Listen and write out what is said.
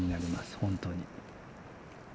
本当に。